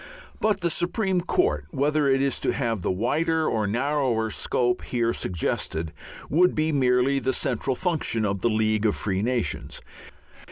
But the Supreme Court, whether it is to have the wider or the narrower scope here suggested, would be merely the central function of the League of Free Nations.